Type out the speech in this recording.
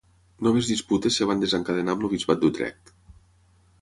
Noves disputes es van desencadenar amb el bisbat d'Utrecht.